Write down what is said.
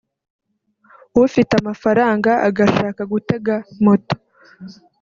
ufite amafaranga agashaka gutega moto